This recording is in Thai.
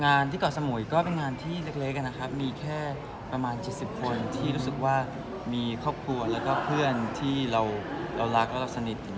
ที่เกาะสมุยก็เป็นงานที่เล็กนะครับมีแค่ประมาณ๗๐คนที่รู้สึกว่ามีครอบครัวแล้วก็เพื่อนที่เรารักและเราสนิท